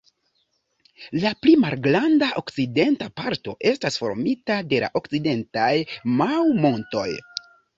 La pli malgranda okcidenta parto estas formita de la Okcidentaj Maui-montoj.